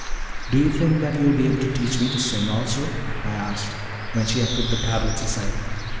"Do you think that you will be able to teach me to sing also?" I asked, when she had put the tablets aside.